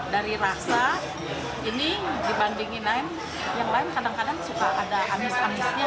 dari rasa ini dibandingin lain yang lain kadang kadang suka ada amis amisnya